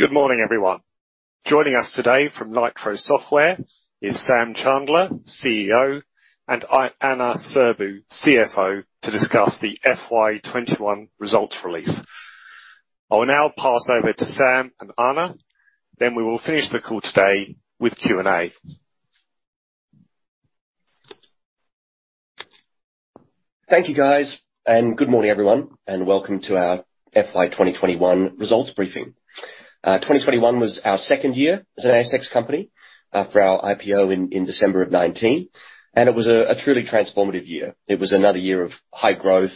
Good morning, everyone. Joining us today from Nitro Software is Sam Chandler, CEO, and Ana Sirbu, CFO, to discuss the FY 2021 results release. I will now pass over to Sam and Ana, then we will finish the call today with Q&A. Thank you, guys, and good morning, everyone, and welcome to our FY 2021 results briefing. 2021 was our second year as an ASX company for our IPO in December 2019. It was a truly transformative year. It was another year of high growth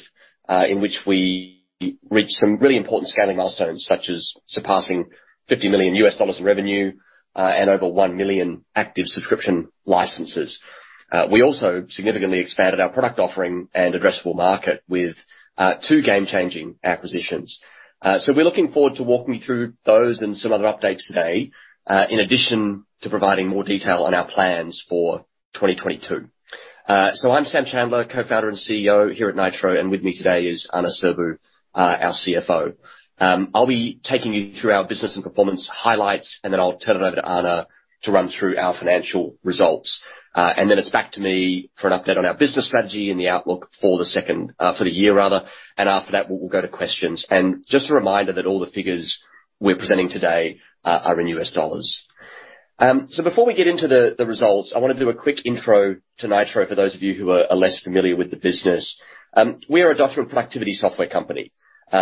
in which we reached some really important scaling milestones, such as surpassing $50 million in revenue and over one million active subscription licenses. We also significantly expanded our product offering and addressable market with two game-changing acquisitions. We're looking forward to walking you through those and some other updates today in addition to providing more detail on our plans for 2022. I'm Sam Chandler, Co-Founder and CEO here at Nitro, and with me today is Ana Sirbu, our CFO. I'll be taking you through our business and performance highlights, and then I'll turn it over to Ana to run through our financial results. Then it's back to me for an update on our business strategy and the outlook for the year rather. After that, we'll go to questions. Just a reminder that all the figures we're presenting today are in U.S. dollars. Before we get into the results, I want to do a quick intro to Nitro for those of you who are less familiar with the business. We are a document productivity software company.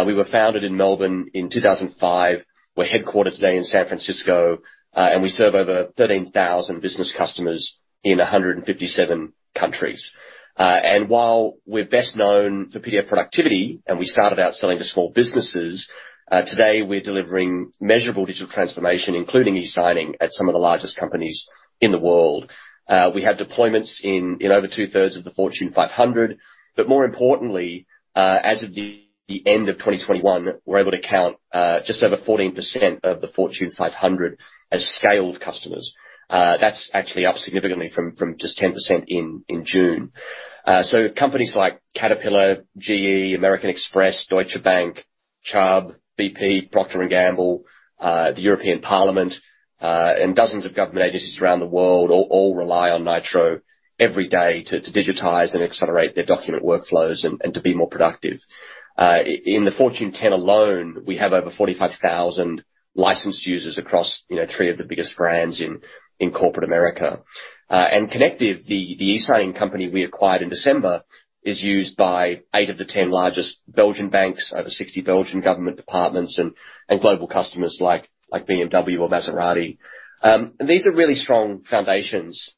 We were founded in Melbourne in 2005. We're headquartered today in San Francisco, and we serve over 13,000 business customers in 157 countries. While we're best known for PDF productivity, and we started out selling to small businesses, today we're delivering measurable digital transformation, including e-signing, at some of the largest companies in the world. We have deployments in over two-thirds of the Fortune 500. More importantly, as of the end of 2021, we're able to count just over 14% of the Fortune 500 as scaled customers. That's actually up significantly from just 10% in June. Companies like Caterpillar, GE, American Express, Deutsche Bank, Chubb, BP, Procter & Gamble, the European Parliament, and dozens of government agencies around the world all rely on Nitro every day to digitize and accelerate their document workflows and to be more productive. In the Fortune 10 alone, we have over 45,000 licensed users across, you know, three of the biggest brands in corporate America. Connective, the e-signing company we acquired in December, is used by eight of the 10 largest Belgian banks, over 60 Belgian government departments, and global customers like BMW or Maserati. These are really strong foundations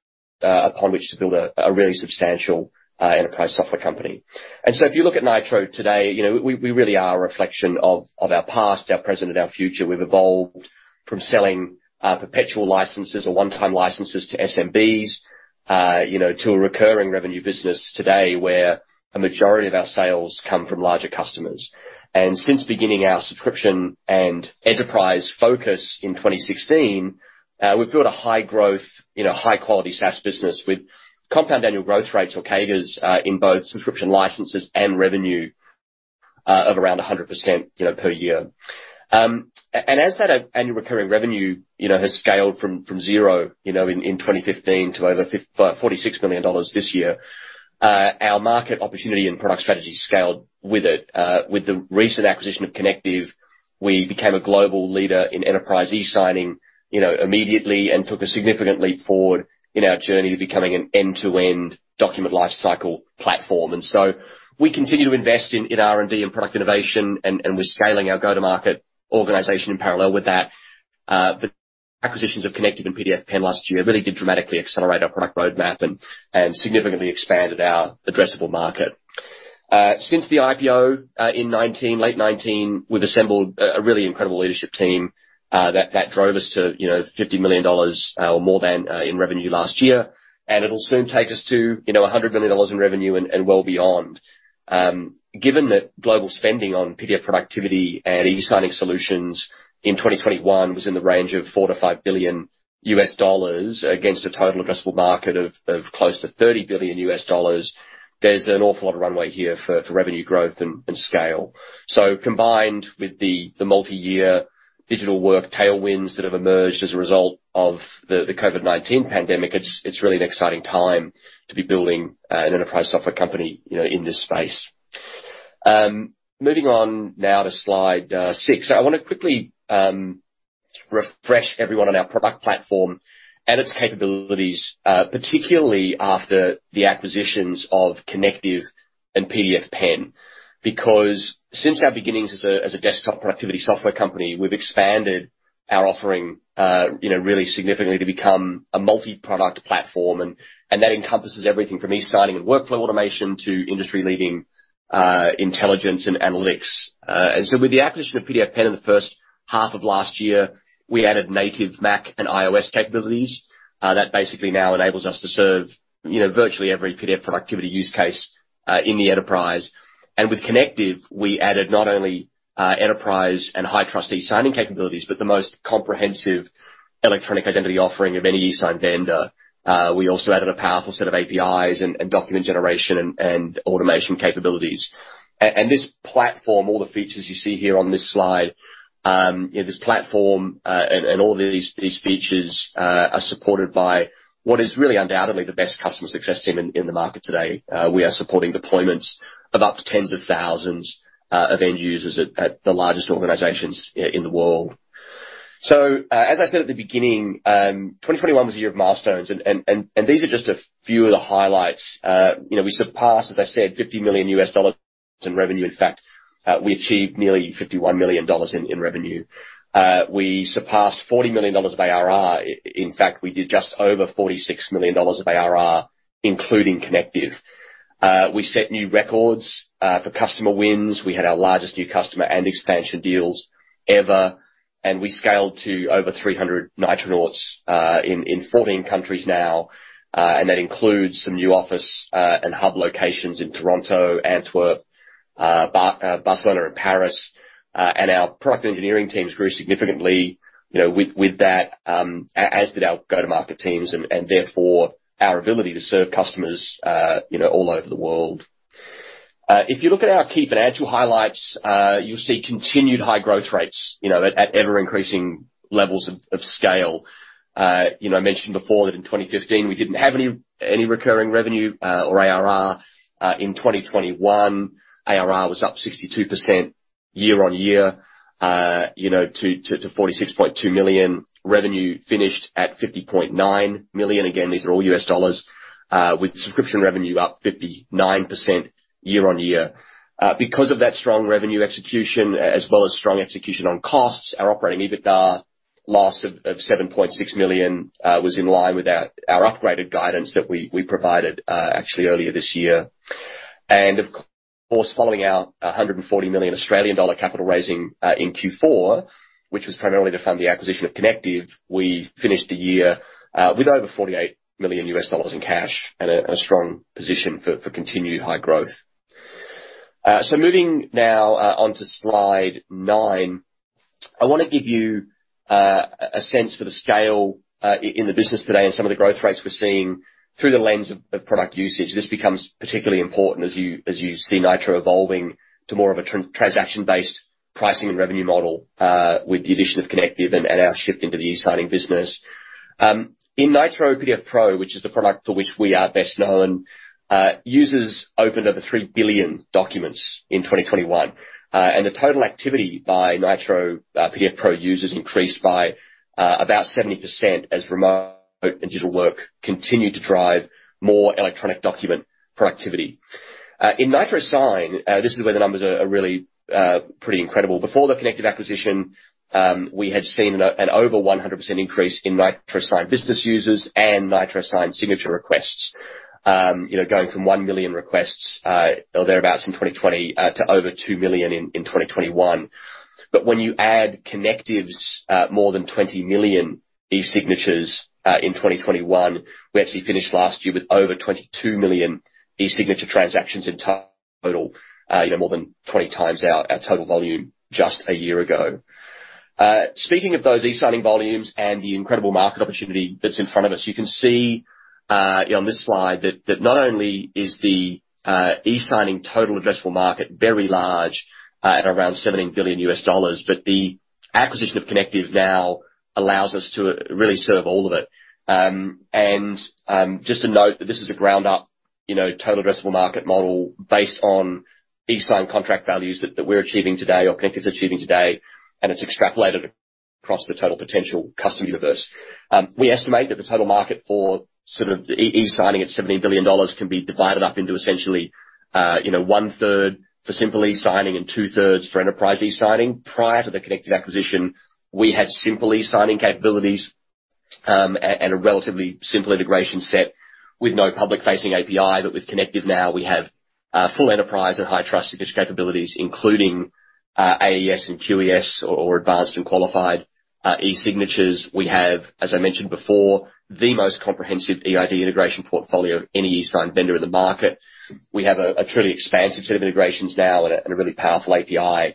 upon which to build a really substantial enterprise software company. If you look at Nitro today, you know, we really are a reflection of our past, our present, and our future. We've evolved from selling perpetual licenses or one-time licenses to SMBs, you know, to a recurring revenue business today, where a majority of our sales come from larger customers. Since beginning our subscription and enterprise focus in 2016, we've built a high growth, you know, high quality SaaS business with compound annual growth rates, or CAGRs, in both subscription licenses and revenue, of around 100%, you know, per year. And as that annual recurring revenue, you know, has scaled from zero, you know, in 2015 to over $46 million this year, our market opportunity and product strategy scaled with it. With the recent acquisition of Connective, we became a global leader in enterprise e-signing, you know, immediately, and took a significant leap forward in our journey to becoming an end-to-end document life cycle platform. We continue to invest in R&D and product innovation, and we're scaling our go-to-market organization in parallel with that. The acquisitions of Connective and PDFpen last year really did dramatically accelerate our product roadmap and significantly expanded our addressable market. Since the IPO in late 2019, we've assembled a really incredible leadership team that drove us to, you know, $50 million or more than in revenue last year. It'll soon take us to, you know, $100 million in revenue and well beyond. Given that global spending on PDF productivity and e-signing solutions in 2021 was in the range of $4 billion-$5 billion against a total addressable market of close to $30 billion, there's an awful lot of runway here for revenue growth and scale. Combined with the multi-year digital work tailwinds that have emerged as a result of the COVID-19 pandemic, it's really an exciting time to be building an enterprise software company, you know, in this space. Moving on now to slide six. I wanna quickly refresh everyone on our product platform and its capabilities, particularly after the acquisitions of Connective and PDFpen. Because since our beginnings as a desktop productivity software company, we've expanded our offering, you know, really significantly to become a multi-product platform. That encompasses everything from e-signing and workflow automation to industry-leading intelligence and analytics. With the acquisition of PDFpen in the first half of last year, we added native Mac and iOS capabilities that basically now enables us to serve, you know, virtually every PDF productivity use case in the enterprise. With Connective, we added not only enterprise and high-trust e-signing capabilities, but the most comprehensive electronic identity offering of any e-sign vendor. We also added a powerful set of APIs and document generation and automation capabilities. This platform, all the features you see here on this slide, this platform and all these features are supported by what is really undoubtedly the best customer success team in the market today. We are supporting deployments of up to tens of thousands of end users at the largest organizations in the world. As I said at the beginning, 2021 was a year of milestones. These are just a few of the highlights. You know, we surpassed, as I said, $50 million in revenue. In fact, we achieved nearly $51 million in revenue. We surpassed $40 million of ARR. In fact, we did just over $46 million of ARR, including Connective. We set new records for customer wins. We had our largest new customer and expansion deals ever, and we scaled to over 300 Nitronauts in 14 countries now. That includes some new office and hub locations in Toronto, Antwerp, Barcelona, and Paris. Our product engineering teams grew significantly, you know, with that, as did our go-to-market teams and therefore, our ability to serve customers, you know, all over the world. If you look at our key financial highlights, you'll see continued high growth rates, you know, at ever-increasing levels of scale. You know, I mentioned before that in 2015, we didn't have any recurring revenue or ARR. In 2021, ARR was up 62% year-over-year, you know, to $46.2 million. Revenue finished at $50.9 million. Again, these are all U.S. dollars, with subscription revenue up 59% year-over-year. Because of that strong revenue execution, as well as strong execution on costs, our operating EBITDA loss of $7.6 million was in line with our upgraded guidance that we provided actually earlier this year. Of course, following our 140 million Australian dollar capital raising in Q4, which was primarily to fund the acquisition of Connective, we finished the year with over $48 million in cash and a strong position for continued high growth. Moving now onto slide nine, I wanna give you a sense for the scale in the business today and some of the growth rates we're seeing through the lens of product usage. This becomes particularly important as you see Nitro evolving to more of a transaction-based pricing and revenue model with the addition of Connective and our shift into the e-signing business. In Nitro PDF Pro, which is the product for which we are best known, users opened over three billion documents in 2021. The total activity by Nitro PDF Pro users increased by about 70% as remote and digital work continued to drive more electronic document productivity. In Nitro Sign, this is where the numbers are really pretty incredible. Before the Connective acquisition, we had seen an over 100% increase in Nitro Sign business users and Nitro Sign signature requests. You know, going from one million requests or thereabouts in 2020 to over two million in 2021. When you add Connective's more than 20 million e-signatures in 2021, we actually finished last year with over 22 million e-signature transactions in total. You know, more than 20 times our total volume just a year ago. Speaking of those e-signing volumes and the incredible market opportunity that's in front of us, you can see on this slide that not only is the e-signing total addressable market very large at around $17 billion, but the acquisition of Connective now allows us to really serve all of it. Just to note that this is a ground up, you know, total addressable market model based on e-sign contract values that we're achieving today or Connective's achieving today, and it's extrapolated across the total potential customer universe. We estimate that the total market for sort of e-signing at $17 billion can be divided up into essentially one-third for simple e-signing and two-thirds for enterprise e-signing. Prior to the Connective acquisition, we had simple e-signing capabilities, and a relatively simple integration set with no public-facing API. With Connective now, we have full enterprise and high trust e-signature capabilities, including AES and QES or advanced and qualified e-signatures. We have, as I mentioned before, the most comprehensive eID integration portfolio of any e-sign vendor in the market. We have a truly expansive set of integrations now and a really powerful API.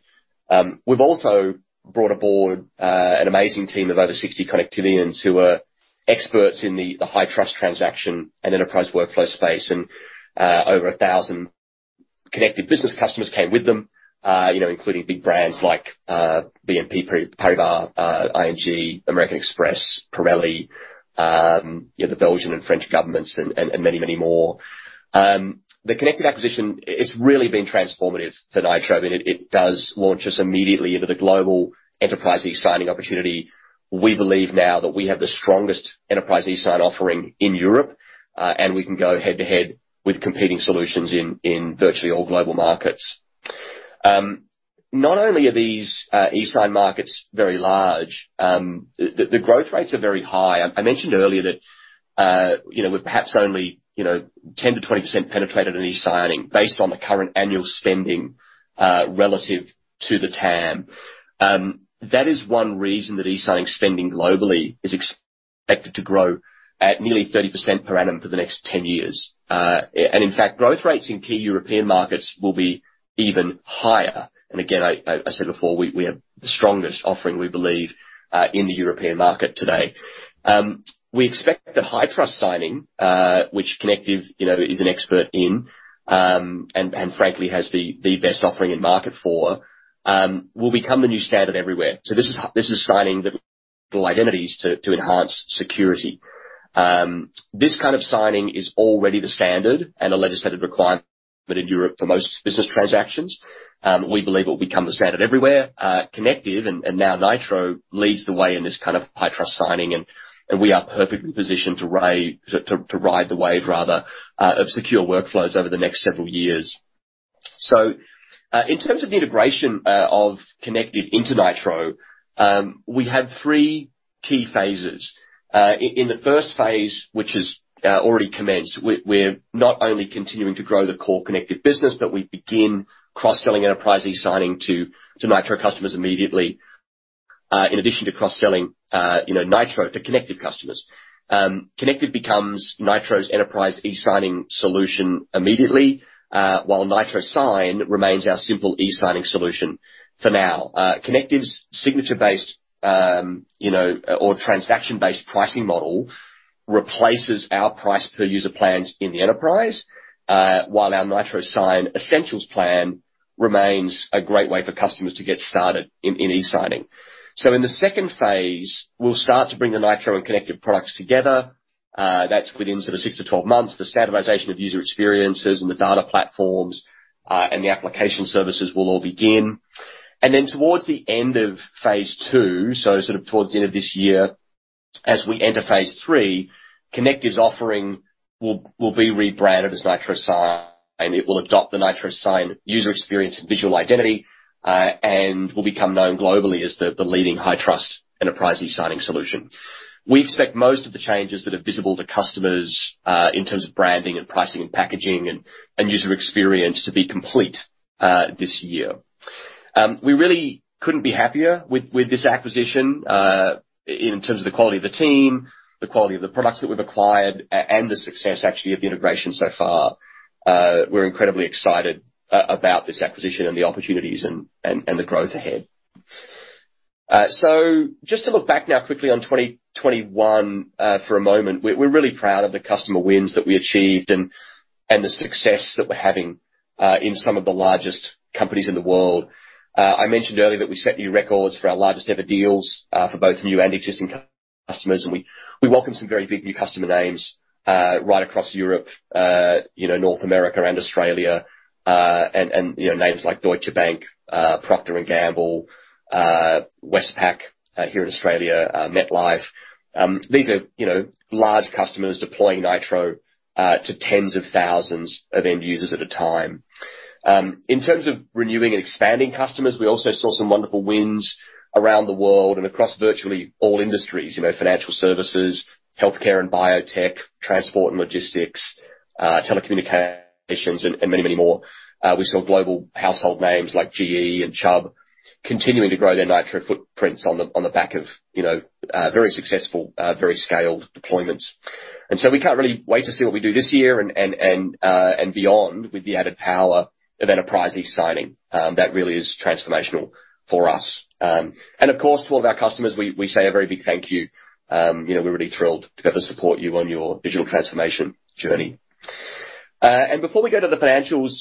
We've also brought aboard an amazing team of over 60 Connectivians who are experts in the high-trust transaction and enterprise workflow space, and over 1,000 Connective business customers came with them, you know, including big brands like BNP Paribas, ING, American Express, Pirelli, you know, the Belgian and French governments and many more. The Connective acquisition, it's really been transformative to Nitro. I mean, it does launch us immediately into the global enterprise e-signing opportunity. We believe now that we have the strongest enterprise e-sign offering in Europe, and we can go head to head with competing solutions in virtually all global markets. Not only are these e-sign markets very large, the growth rates are very high. I mentioned earlier that, you know, we're perhaps only, you know, 10%-20% penetrated in e-signing based on the current annual spending relative to the TAM. That is one reason that e-signing spending globally is expected to grow at nearly 30% per annum for the next 10 years. In fact, growth rates in key European markets will be even higher. Again, I said before, we have the strongest offering, we believe, in the European market today. We expect that high-trust signing, which Connective, you know, is an expert in, and frankly has the best offering in market, will become the new standard everywhere. This is signing the identities to enhance security. This kind of signing is already the standard and a legislative requirement in Europe for most business transactions. We believe it will become the standard everywhere. Connective and now Nitro leads the way in this kind of high-trust signing, and we are perfectly positioned to ride the wave rather of secure workflows over the next several years. In terms of the integration of Connective into Nitro, we have three key phases. In the first phase, which has already commenced, we're not only continuing to grow the core Connective business, but we begin cross-selling enterprise e-signing to Nitro customers immediately, in addition to cross-selling you know Nitro to Connective customers. Connective becomes Nitro's enterprise e-signing solution immediately, while Nitro Sign remains our simple e-signing solution for now. Connective's signature-based, you know, or transaction-based pricing model replaces our price per user plans in the enterprise, while our Nitro Sign Essentials plan remains a great way for customers to get started in e-signing. In the second phase, we'll start to bring the Nitro and Connective products together. That's within sort of 6-12 months. The standardization of user experiences and the data platforms, and the application services will all begin. Towards the end of phase two, so sort of towards the end of this year, as we enter phase three, Connective's offering will be rebranded as Nitro Sign. It will adopt the Nitro Sign user experience and visual identity, and will become known globally as the leading high-trust enterprise e-signing solution. We expect most of the changes that are visible to customers, in terms of branding and pricing and packaging and user experience to be complete, this year. We really couldn't be happier with this acquisition, in terms of the quality of the team, the quality of the products that we've acquired, and the success actually of the integration so far. We're incredibly excited about this acquisition and the opportunities and the growth ahead. Just to look back now quickly on 2021, for a moment. We're really proud of the customer wins that we achieved and the success that we're having, in some of the largest companies in the world. I mentioned earlier that we set new records for our largest ever deals for both new and existing customers, and we welcome some very big new customer names right across Europe, you know, North America and Australia, and you know, names like Deutsche Bank, Procter & Gamble, Westpac here in Australia, MetLife. These are, you know, large customers deploying Nitro to tens of thousands of end users at a time. In terms of renewing and expanding customers, we also saw some wonderful wins around the world and across virtually all industries. You know, financial services, healthcare and biotech, transport and logistics, telecommunications and many, many more. We saw global household names like GE and Chubb continuing to grow their Nitro footprints on the back of very successful, very scaled deployments. We can't really wait to see what we do this year and beyond with the added power of enterprise e-signing. That really is transformational for us. Of course, to all of our customers, we say a very big thank you. You know, we're really thrilled to get to support you on your digital transformation journey. Before we go to the financials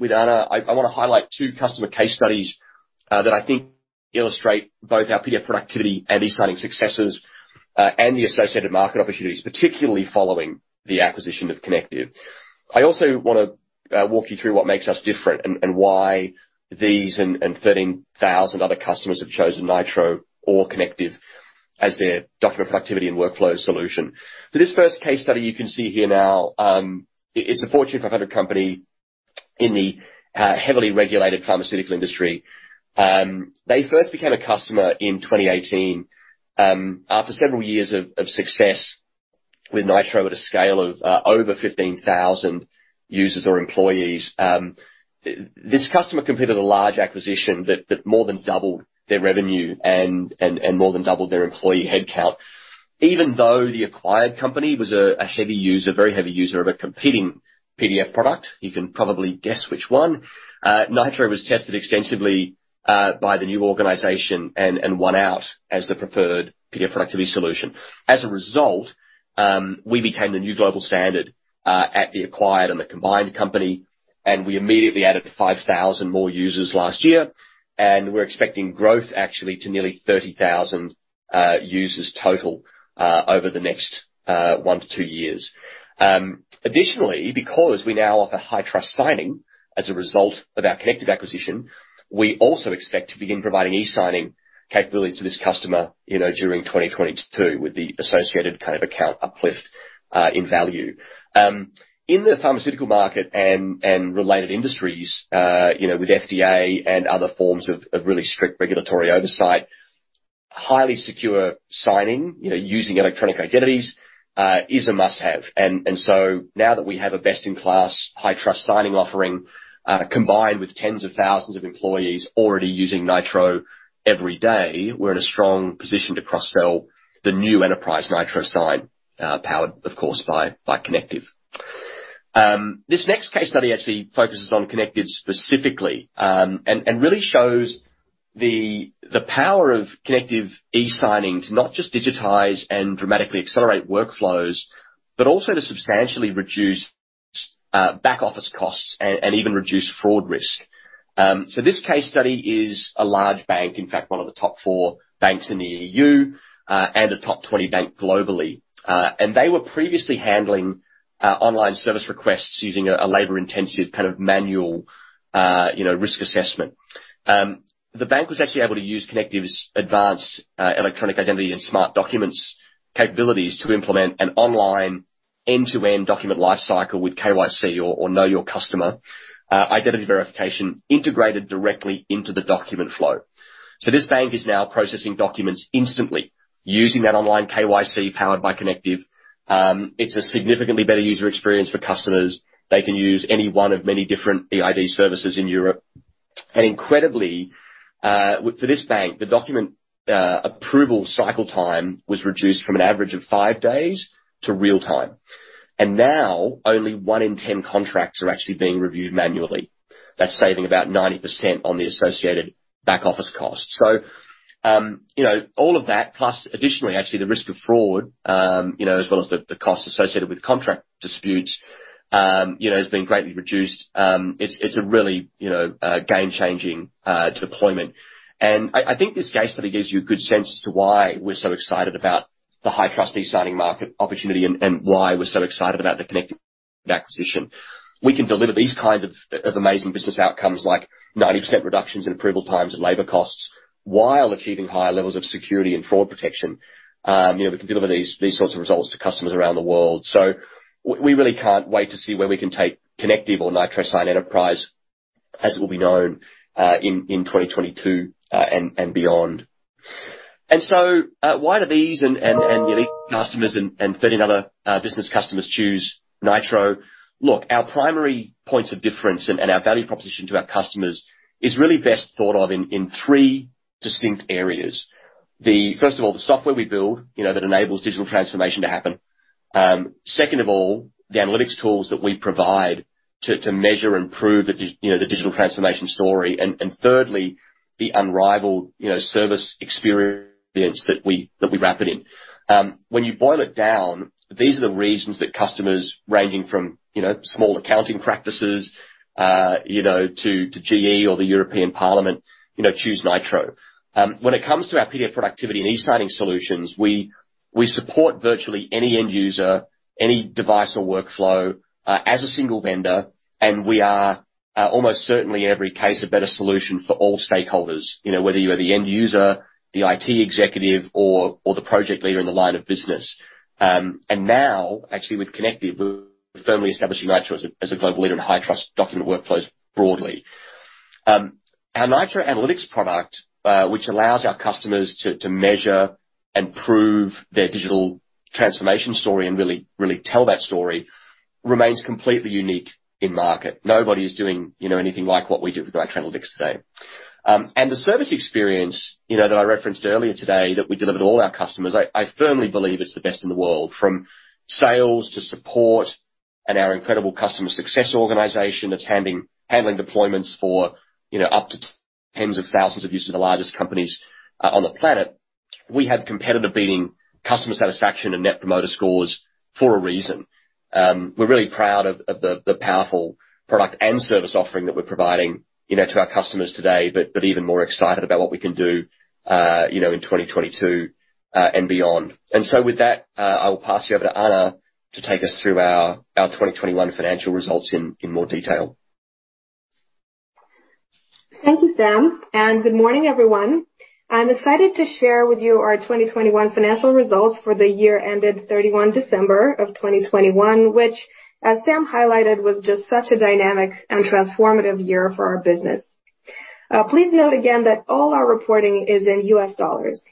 with Ana, I wanna highlight two customer case studies that I think illustrate both our PDF productivity and e-signing successes and the associated market opportunities, particularly following the acquisition of Connective. I also wanna walk you through what makes us different and why these and 13,000 other customers have chosen Nitro or Connective as their document productivity and workflow solution. This first case study you can see here now, it's a Fortune 500 company in the heavily regulated pharmaceutical industry. They first became a customer in 2018. After several years of success with Nitro at a scale of over 15,000 users or employees, this customer completed a large acquisition that more than doubled their revenue and more than doubled their employee headcount. Even though the acquired company was a heavy user, very heavy user of a competing PDF product, you can probably guess which one, Nitro was tested extensively by the new organization and won out as the preferred PDF productivity solution. As a result, we became the new global standard at the acquired and the combined company, and we immediately added 5,000 more users last year. We're expecting growth actually to nearly 30,000 users total over the next one-two years. Additionally, because we now offer high-trust signing as a result of our Connective acquisition, we also expect to begin providing e-signing capabilities to this customer, you know, during 2022 with the associated kind of account uplift in value. In the pharmaceutical market and related industries, you know, with FDA and other forms of really strict regulatory oversight, highly secure signing, you know, using electronic identities, is a must-have. Now that we have a best-in-class high-trust signing offering, combined with tens of thousands of employees already using Nitro every day, we're in a strong position to cross-sell the new enterprise Nitro Sign, powered, of course, by Connective. This next case study actually focuses on Connective specifically, and really shows the power of Connective e-signing to not just digitize and dramatically accelerate workflows, but also to substantially reduce back-office costs and even reduce fraud risk. This case study is a large bank, in fact, one of the top four banks in the EU, and a top 20 bank globally. They were previously handling online service requests using a labor-intensive kind of manual, you know, risk assessment. The bank was actually able to use Connective's advanced electronic identity and smart documents capabilities to implement an online end-to-end document life cycle with KYC or know your customer identity verification integrated directly into the document flow. This bank is now processing documents instantly using that online KYC powered by Connective. It's a significantly better user experience for customers. They can use any one of many different eID services in Europe. Incredibly, for this bank, the document approval cycle time was reduced from an average of five days to real time. Now only 1 in 10 contracts are actually being reviewed manually. That's saving about 90% on the associated back-office costs. You know, all of that plus additionally, actually the risk of fraud, you know, as well as the costs associated with contract disputes, you know, has been greatly reduced. It's a really, you know, game-changing deployment. I think this case study gives you a good sense as to why we're so excited about the high trust e-signing market opportunity and why we're so excited about the Connective acquisition. We can deliver these kinds of amazing business outcomes like 90% reductions in approval times and labor costs while achieving higher levels of security and fraud protection. You know, we can deliver these sorts of results to customers around the world. We really can't wait to see where we can take Connective or Nitro Sign Enterprise, as it will be known, in 2022 and beyond. Why do these unique customers and 30 other business customers choose Nitro? Look, our primary points of difference and our value proposition to our customers is really best thought of in three distinct areas. First of all, the software we build, you know, that enables digital transformation to happen. Second of all, the analytics tools that we provide to measure and prove the digital transformation story. And thirdly, the unrivaled, you know, service experience that we wrap it in. When you boil it down, these are the reasons that customers ranging from, you know, small accounting practices, you know, to GE or the European Parliament, you know, choose Nitro. When it comes to our PDF productivity and e-signing solutions, we support virtually any end user, any device or workflow as a single vendor. We are almost certainly in every case, a better solution for all stakeholders. You know, whether you are the end user, the IT executive or the project leader in the line of business. Now actually with Connective, we're firmly establishing Nitro as a global leader in high-trust document workflows broadly. Our Nitro Analytics product, which allows our customers to measure and prove their digital transformation story and really tell that story, remains completely unique in market. Nobody is doing, you know, anything like what we do with our analytics today. The service experience, you know, that I referenced earlier today that we deliver to all our customers, I firmly believe it's the best in the world. From sales to support and our incredible customer success organization that's handling deployments for, you know, up to tens of thousands of users of the largest companies on the planet. We have competitive beating customer satisfaction and net promoter scores for a reason. We're really proud of the powerful product and service offering that we're providing, you know, to our customers today, but even more excited about what we can do, you know, in 2022 and beyond. With that, I will pass you over to Ana to take us through our 2021 financial results in more detail. Thank you, Sam, and good morning, everyone. I'm excited to share with you our 2021 financial results for the year ended 31 December 2021, which, as Sam highlighted, was just such a dynamic and transformative year for our business. Please note again that all our reporting is in U.S. dollars.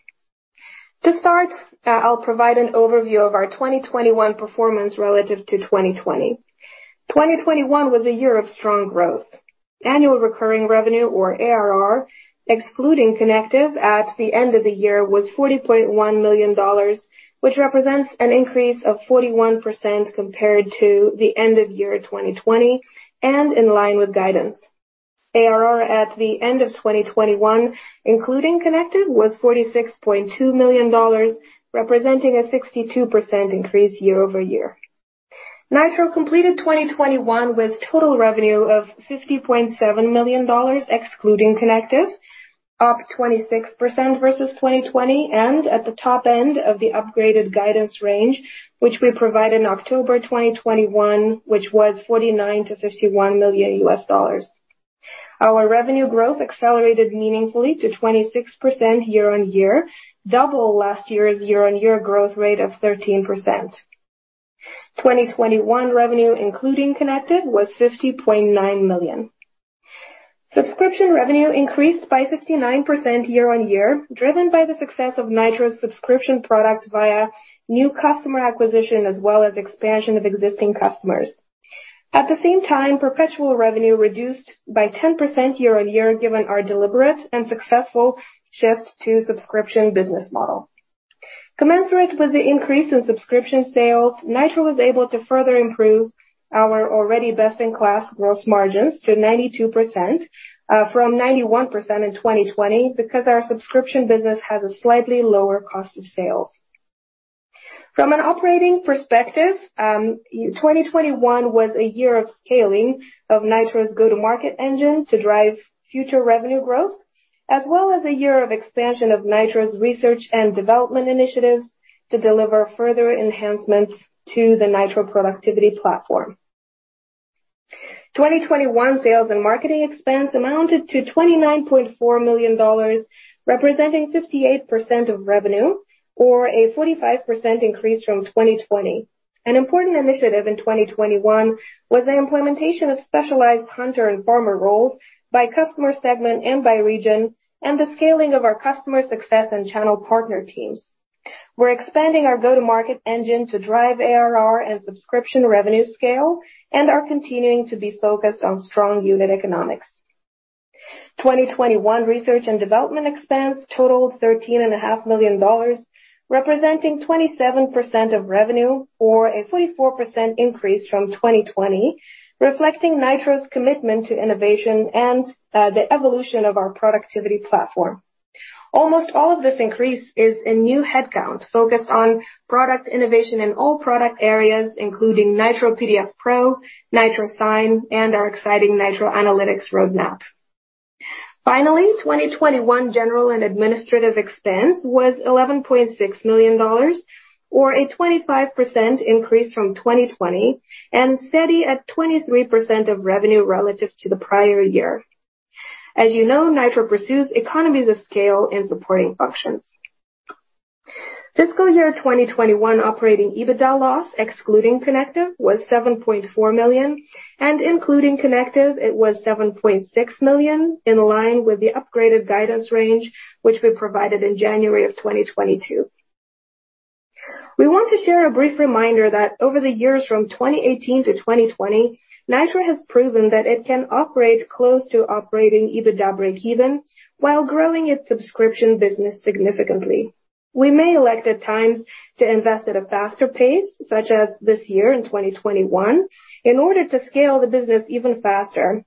To start, I'll provide an overview of our 2021 performance relative to 2020. 2021 was a year of strong growth. Annual recurring revenue or ARR, excluding Connective at the end of the year was $40.1 million, which represents an increase of 41% compared to the end of year 2020 and in line with guidance. ARR at the end of 2021, including Connective, was $46.2 million representing a 62% increase year over year. Nitro completed 2021 with total revenue of $50.7 million excluding Connective, up 26% versus 2020 and at the top end of the upgraded guidance range, which we provided in October 2021, which was $49-$51 million. Our revenue growth accelerated meaningfully to 26% year-on-year, double last year's year-on-year growth rate of 13%. 2021 revenue, including Connective, was $50.9 million. Subscription revenue increased by 59% year-on-year, driven by the success of Nitro's subscription product via new customer acquisition as well as expansion of existing customers. At the same time, perpetual revenue reduced by 10% year-over-year, given our deliberate and successful shift to subscription business model. Commensurate with the increase in subscription sales, Nitro was able to further improve our already best-in-class gross margins to 92%, from 91% in 2020 because our subscription business has a slightly lower cost of sales. From an operating perspective, 2021 was a year of scaling of Nitro's go-to-market engine to drive future revenue growth, as well as a year of expansion of Nitro's research and development initiatives to deliver further enhancements to the Nitro Productivity Platform. 2021 sales and marketing expense amounted to $29.4 million, representing 58% of revenue or a 45% increase from 2020. An important initiative in 2021 was the implementation of specialized hunter and farmer roles by customer segment and by region, and the scaling of our customer success and channel partner teams. We're expanding our go-to-market engine to drive ARR and subscription revenue scale and are continuing to be focused on strong unit economics. 2021 research and development expense totaled $13.5 million, representing 27% of revenue or a 44% increase from 2020, reflecting Nitro's commitment to innovation and the evolution of our productivity platform. Almost all of this increase is in new headcount focused on product innovation in all product areas, including Nitro PDF Pro, Nitro Sign, and our exciting Nitro Analytics roadmap. Finally, 2021 general and administrative expense was $11.6 million or a 25% increase from 2020, and steady at 23% of revenue relative to the prior year. As you know, Nitro pursues economies of scale in supporting functions. Fiscal year 2021 operating EBITDA loss, excluding Connective, was $7.4 million, and including Connective, it was $7.6 million, in line with the upgraded guidance range which we provided in January of 2022. We want to share a brief reminder that over the years from 2018 to 2020, Nitro has proven that it can operate close to operating EBITDA breakeven while growing its subscription business significantly. We may elect at times to invest at a faster pace, such as this year in 2021, in order to scale the business even faster.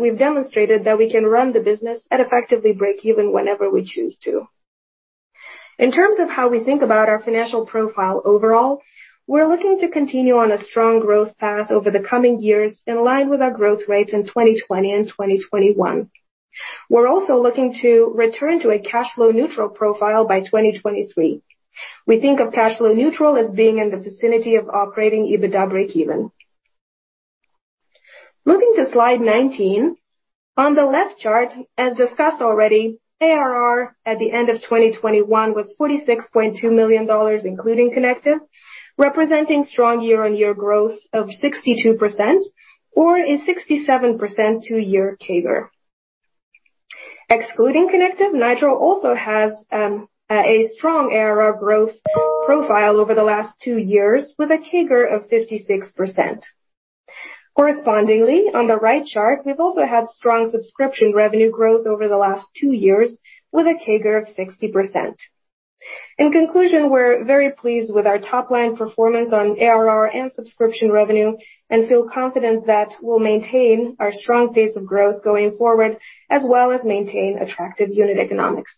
We've demonstrated that we can run the business at effectively breakeven whenever we choose to. In terms of how we think about our financial profile overall, we're looking to continue on a strong growth path over the coming years, in line with our growth rates in 2020 and 2021. We're also looking to return to a cash flow neutral profile by 2023. We think of cash flow neutral as being in the vicinity of operating EBITDA breakeven. Moving to slide 19. On the left chart, as discussed already, ARR at the end of 2021 was $46.2 million, including Connective, representing strong year-on-year growth of 62% or a 67% two-year CAGR. Excluding Connective, Nitro also has a strong ARR growth profile over the last two years with a CAGR of 56%. Correspondingly, on the right chart, we've also had strong subscription revenue growth over the last two years with a CAGR of 60%. In conclusion, we're very pleased with our top line performance on ARR and subscription revenue and feel confident that we'll maintain our strong pace of growth going forward, as well as maintain attractive unit economics.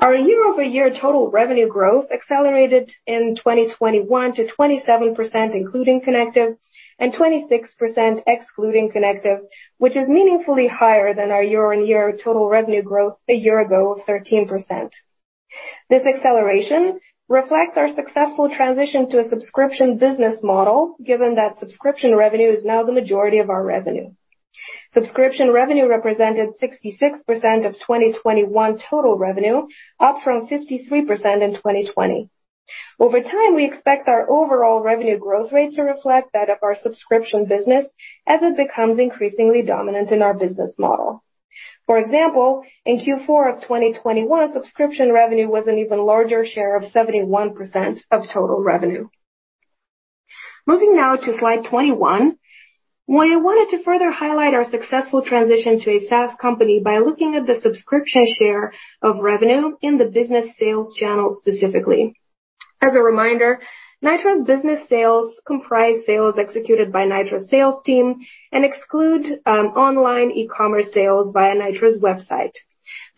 Our year-over-year total revenue growth accelerated in 2021 to 27%, including Connective, and 26% excluding Connective, which is meaningfully higher than our year-over-year total revenue growth a year ago of 13%. This acceleration reflects our successful transition to a subscription business model, given that subscription revenue is now the majority of our revenue. Subscription revenue represented 66% of 2021 total revenue, up from 53% in 2020. Over time, we expect our overall revenue growth rate to reflect that of our subscription business as it becomes increasingly dominant in our business model. For example, in Q4 of 2021, subscription revenue was an even larger share of 71% of total revenue. Moving now to slide 21. Well, I wanted to further highlight our successful transition to a SaaS company by looking at the subscription share of revenue in the business sales channel specifically. As a reminder, Nitro's business sales comprise sales executed by Nitro's sales team and exclude online e-commerce sales via Nitro's website.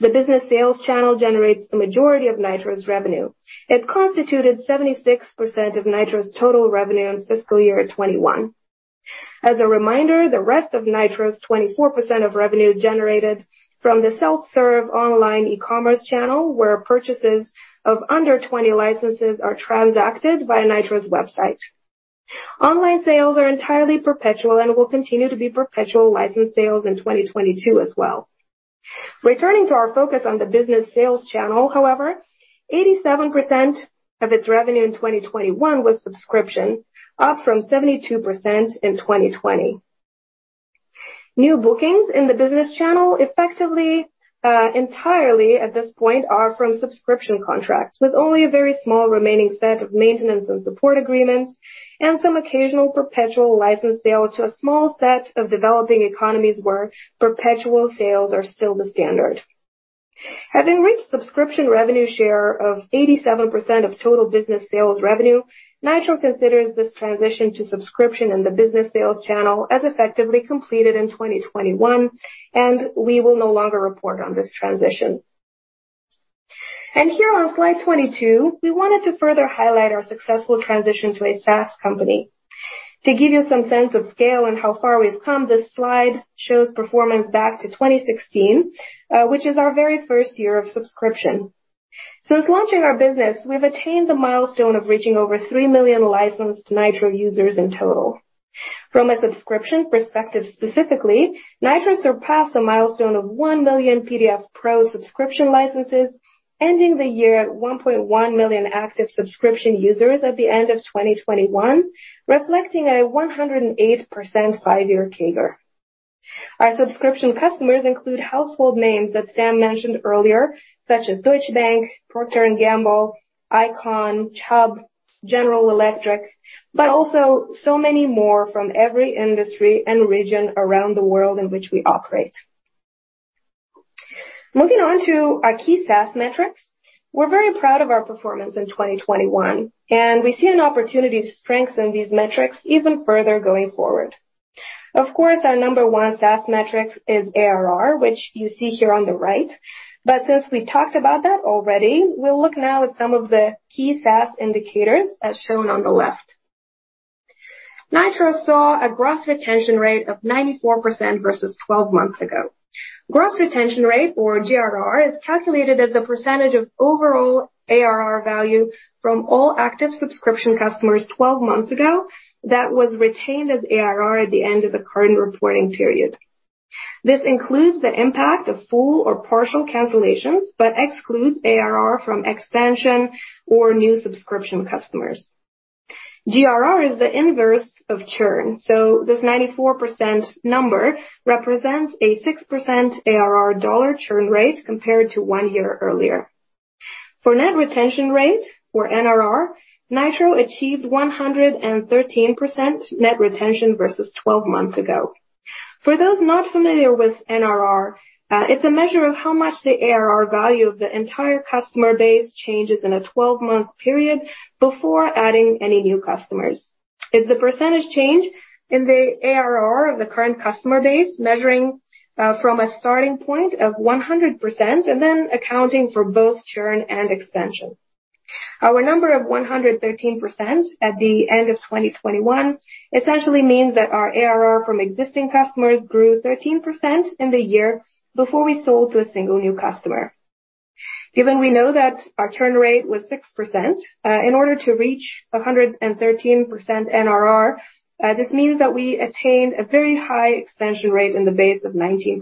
The business sales channel generates the majority of Nitro's revenue. It constituted 76% of Nitro's total revenue in fiscal year 2021. As a reminder, the rest of Nitro's 24% of revenue is generated from the self-serve online e-commerce channel, where purchases of under 20 licenses are transacted via Nitro's website. Online sales are entirely perpetual and will continue to be perpetual license sales in 2022 as well. Returning to our focus on the business sales channel, however, 87% of its revenue in 2021 was subscription, up from 72% in 2020. New bookings in the business channel effectively, entirely at this point are from subscription contracts, with only a very small remaining set of maintenance and support agreements and some occasional perpetual license sale to a small set of developing economies where perpetual sales are still the standard. Having reached subscription revenue share of 87% of total business sales revenue, Nitro considers this transition to subscription in the business sales channel as effectively completed in 2021, and we will no longer report on this transition. Here on slide 22, we wanted to further highlight our successful transition to a SaaS company. To give you some sense of scale and how far we've come, this slide shows performance back to 2016, which is our very first year of subscription. Since launching our business, we've attained the milestone of reaching over three million licensed Nitro users in total. From a subscription perspective, specifically, Nitro surpassed the milestone of one million PDF Pro subscription licenses, ending the year at 1.1 million active subscription users at the end of 2021, reflecting a 108% five-year CAGR. Our subscription customers include household names that Sam mentioned earlier, such as Deutsche Bank, Procter & Gamble, ICON, Chubb, General Electric, but also so many more from every industry and region around the world in which we operate. Moving on to our key SaaS metrics. We're very proud of our performance in 2021, and we see an opportunity to strengthen these metrics even further going forward. Of course, our number one SaaS metric is ARR, which you see here on the right. Since we talked about that already, we'll look now at some of the key SaaS indicators as shown on the left. Nitro saw a gross retention rate of 94% versus 12 months ago. Gross retention rate, or GRR, is calculated as a percentage of overall ARR value from all active subscription customers 12 months ago that was retained as ARR at the end of the current reporting period. This includes the impact of full or partial cancellations, but excludes ARR from expansion or new subscription customers. GRR is the inverse of churn, so this 94% number represents a 6% ARR dollar churn rate compared to one year earlier. For net retention rate, or NRR, Nitro achieved 113% net retention versus 12 months ago. For those not familiar with NRR, it's a measure of how much the ARR value of the entire customer base changes in a 12-month period before adding any new customers. It's the percentage change in the ARR of the current customer base, measuring from a starting point of 100% and then accounting for both churn and extension. Our number of 113% at the end of 2021 essentially means that our ARR from existing customers grew 13% in the year before we sold to a single new customer. Given we know that our churn rate was 6%, in order to reach a 113% NRR, this means that we attained a very high expansion rate in the base of 19%.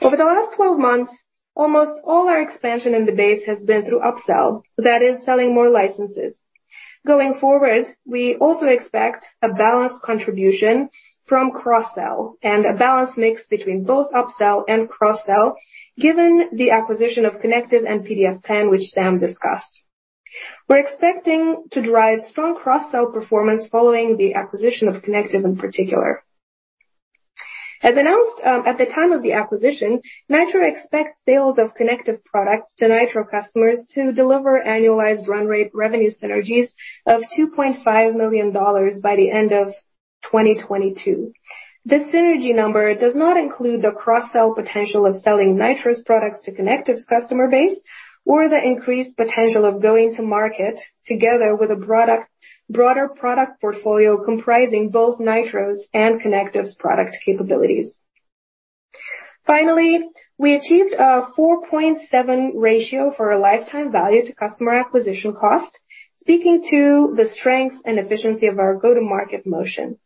Over the last 12 months, almost all our expansion in the base has been through upsell. That is, selling more licenses. Going forward, we also expect a balanced contribution from cross-sell and a balanced mix between both upsell and cross-sell, given the acquisition of Connective and PDFpen, which Sam discussed. We're expecting to drive strong cross-sell performance following the acquisition of Connective in particular. As announced at the time of the acquisition, Nitro expects sales of Connective products to Nitro customers to deliver annualized run rate revenue synergies of $2.5 million by the end of 2022. This synergy number does not include the cross-sell potential of selling Nitro's products to Connective's customer base or the increased potential of going to market together with a broader product portfolio comprising both Nitro's and Connective's product capabilities. Finally, we achieved a 4.7 ratio for our lifetime value to customer acquisition cost, speaking to the strength and efficiency of our go-to-market motion.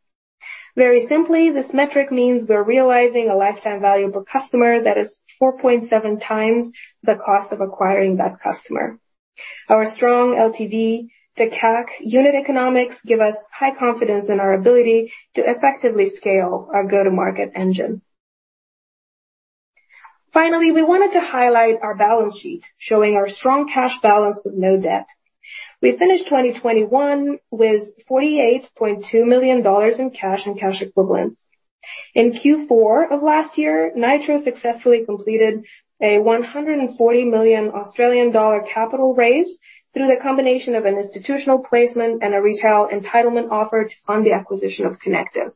Very simply, this metric means we're realizing a lifetime value per customer that is 4.7 times the cost of acquiring that customer. Our strong LTV to CAC unit economics give us high confidence in our ability to effectively scale our go-to-market engine. Finally, we wanted to highlight our balance sheet, showing our strong cash balance with no debt. We finished 2021 with $48.2 million in cash and cash equivalents. In Q4 of last year, Nitro successfully completed a 140 million Australian dollar capital raise through the combination of an institutional placement and a retail entitlement offer to fund the acquisition of Connective.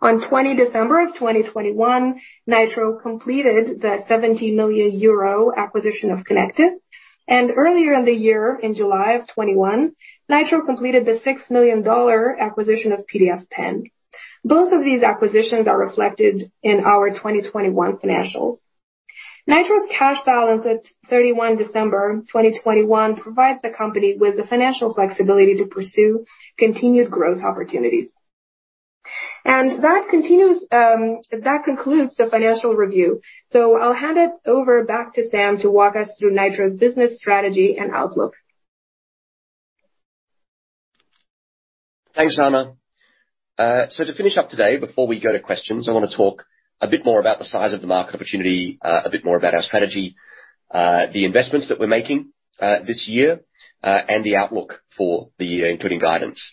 On 20 December 2021, Nitro completed the 70 million euro acquisition of Connective, and earlier in the year, in July 2021, Nitro completed the $6 million acquisition of PDFpen. Both of these acquisitions are reflected in our 2021 financials. Nitro's cash balance at 31 December 2021 provides the company with the financial flexibility to pursue continued growth opportunities. That concludes the financial review. I'll hand it over back to Sam to walk us through Nitro's business strategy and outlook. Thanks, Ana. To finish up today, before we go to questions, I wanna talk a bit more about the size of the market opportunity, a bit more about our strategy, the investments that we're making this year, and the outlook for the year, including guidance.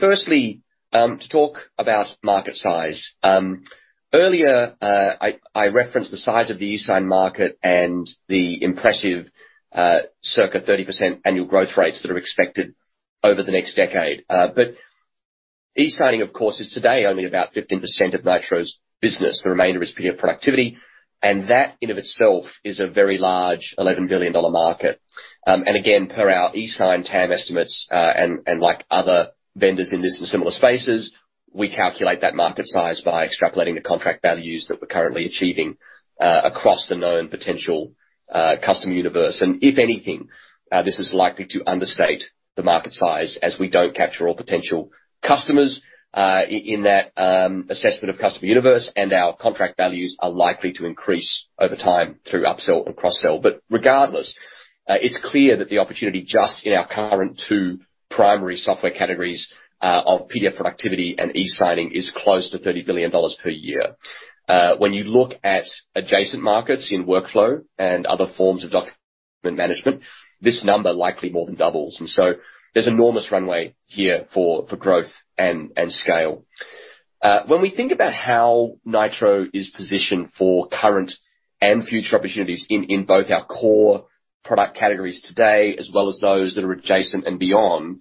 Firstly, to talk about market size. Earlier, I referenced the size of the eSign market and the impressive circa 30% annual growth rates that are expected over the next decade. eSigning, of course, is today only about 15% of Nitro's business. The remainder is PDF productivity, and that in and of itself is a very large $11 billion market. Again, per our eSign TAM estimates, and like other vendors in this and similar spaces, we calculate that market size by extrapolating the contract values that we're currently achieving across the known potential customer universe. If anything, this is likely to understate the market size as we don't capture all potential customers in that assessment of customer universe, and our contract values are likely to increase over time through upsell and cross-sell. Regardless, it's clear that the opportunity just in our current two primary software categories of PDF Productivity and eSigning is close to $30 billion per year. When you look at adjacent markets in workflow and other forms of document management, this number likely more than doubles. There's enormous runway here for growth and scale. When we think about how Nitro is positioned for current and future opportunities in both our core product categories today, as well as those that are adjacent and beyond,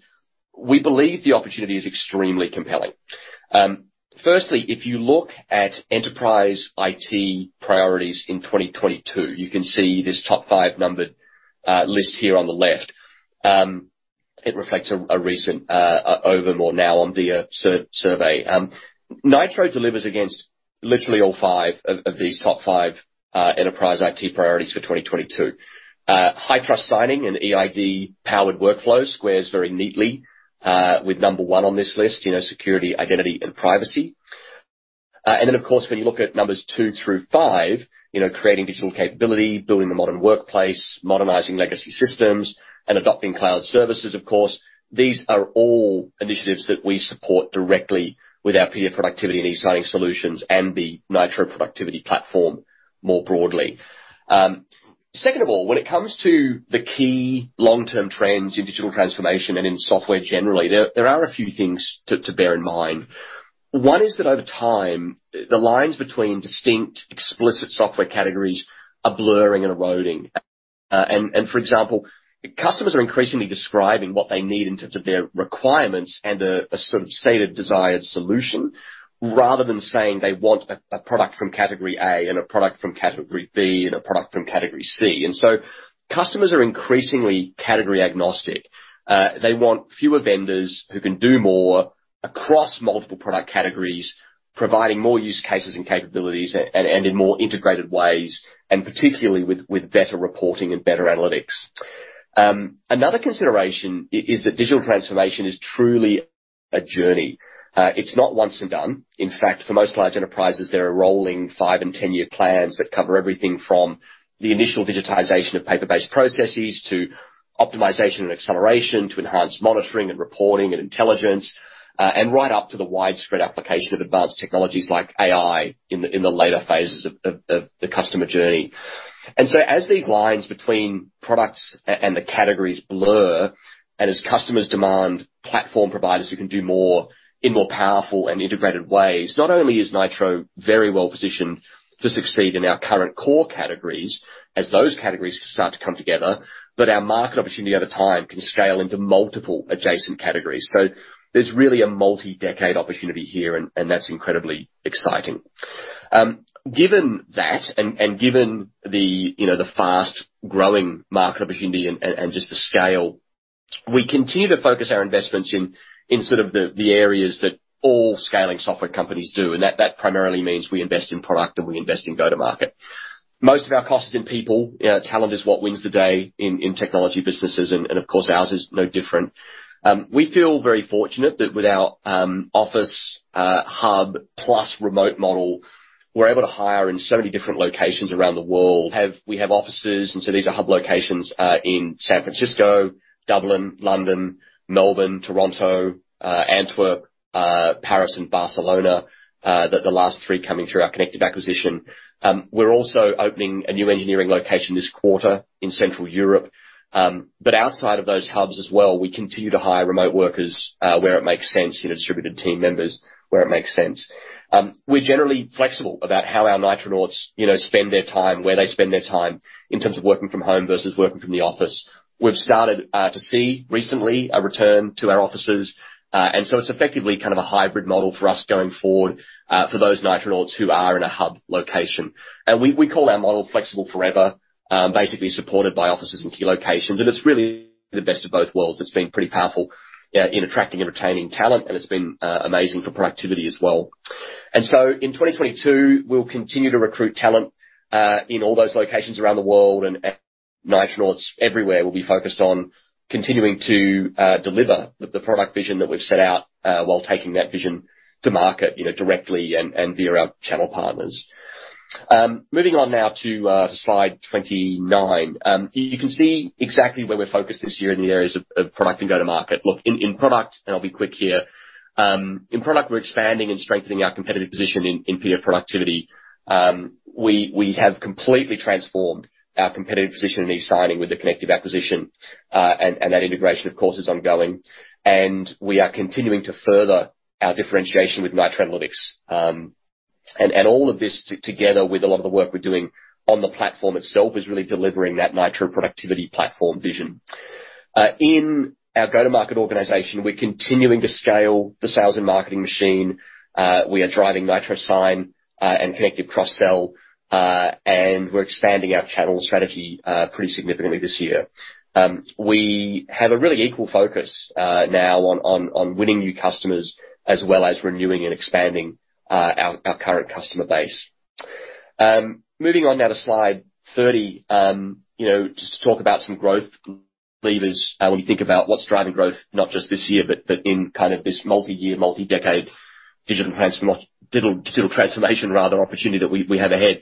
we believe the opportunity is extremely compelling. Firstly, if you look at enterprise IT priorities in 2022, you can see this top five numbered list here on the left. It reflects a recent Ovum or now Omdia survey. Nitro delivers against literally all five of these top five enterprise IT priorities for 2022. High-trust signing and eID-powered workflow squares very neatly with number one on this list, you know, security, identity, and privacy. Of course, when you look at numbers two through five, you know, creating digital capability, building the modern workplace, modernizing legacy systems, and adopting cloud services, of course, these are all initiatives that we support directly with our PDF productivity and eSigning solutions and the Nitro Productivity Platform more broadly. Second of all, when it comes to the key long-term trends in digital transformation and in software generally, there are a few things to bear in mind. One is that over time, the lines between distinct explicit software categories are blurring and eroding. For example, customers are increasingly describing what they need in terms of their requirements and a sort of stated desired solution, rather than saying they want a product from category A and a product from category B and a product from category C. Customers are increasingly category agnostic. They want fewer vendors who can do more across multiple product categories, providing more use cases and capabilities and in more integrated ways, and particularly with better reporting and better analytics. Another consideration is that digital transformation is truly a journey. It's not once and done. In fact, for most large enterprises, there are rolling five and 10-year plans that cover everything from the initial digitization of paper-based processes, to optimization and acceleration, to enhanced monitoring and reporting and intelligence, and right up to the widespread application of advanced technologies like AI in the later phases of the customer journey. As these lines between products and the categories blur, and as customers demand platform providers who can do more in more powerful and integrated ways, not only is Nitro very well positioned to succeed in our current core categories as those categories start to come together, but our market opportunity over time can scale into multiple adjacent categories. There's really a multi-decade opportunity here, and that's incredibly exciting. Given that and given the, you know, the fast-growing market opportunity and just the scale, we continue to focus our investments in sort of the areas that all scaling software companies do, and that primarily means we invest in product and we invest in go-to-market. Most of our cost is in people. You know, talent is what wins the day in technology businesses and of course, ours is no different. We feel very fortunate that with our office hub plus remote model, we're able to hire in so many different locations around the world. We have offices, and so these are hub locations in San Francisco, Dublin, London, Melbourne, Toronto, Antwerp, Paris, and Barcelona, the last three coming through our Connective acquisition. We're also opening a new engineering location this quarter in Central Europe. Outside of those hubs as well, we continue to hire remote workers where it makes sense, you know, distributed team members, where it makes sense. We're generally flexible about how our Nitronauts, you know, spend their time, where they spend their time in terms of working from home versus working from the office. We've started to see recently a return to our offices, and so it's effectively kind of a hybrid model for us going forward, for those Nitronauts who are in a hub location. We call our model Flexible Forever, basically supported by offices in key locations, and it's really the best of both worlds. It's been pretty powerful in attracting and retaining talent, and it's been amazing for productivity as well. In 2022, we'll continue to recruit talent in all those locations around the world, and Nitronauts everywhere will be focused on continuing to deliver the product vision that we've set out, while taking that vision to market, you know, directly and via our channel partners. Moving on now to slide 29. You can see exactly where we're focused this year in the areas of product and go-to-market. Look, in product, and I'll be quick here. In product, we're expanding and strengthening our competitive position in PDF productivity. We have completely transformed our competitive position in eSigning with the Connective acquisition, and that integration, of course, is ongoing. We are continuing to further our differentiation with Nitro Analytics. All of this together with a lot of the work we're doing on the platform itself is really delivering that Nitro Productivity Platform vision. In our go-to-market organization, we're continuing to scale the sales and marketing machine. We are driving Nitro Sign and Connective cross-sell, and we're expanding our channel strategy pretty significantly this year. We have a really equal focus now on winning new customers as well as renewing and expanding our current customer base. Moving on now to slide 30, you know, just to talk about some growth levers, when you think about what's driving growth, not just this year, but in kind of this multi-year, multi-decade digital transformation rather opportunity that we have ahead.